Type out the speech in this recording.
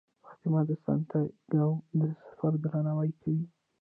فاطمه د سانتیاګو د سفر درناوی کوي.